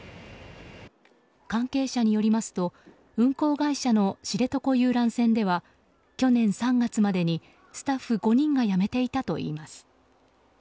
関係者によりますと運航会社の知床遊覧船では去年３月までにスタッフ５人が辞めていたといいます。